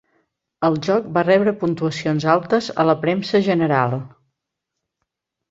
El joc va rebre puntuacions altes a la premsa general.